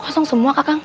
kosong semua kakak